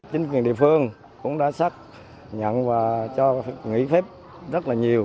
chính quyền địa phương cũng đã xác nhận và cho nghỉ phép rất là nhiều